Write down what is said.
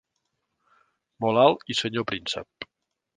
Molt alt i senyor príncep.